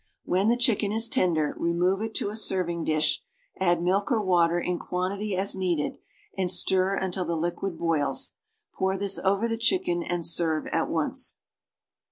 When the chicken is tender remove it to a serving dish, add milk or water in quantity as needed, and stir until the liquid boils. Pour this over the chicken and serve at once.